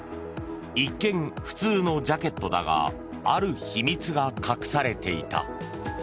一見、普通のジャケットだがある秘密が隠されていた。